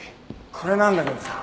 これなんだけどさ。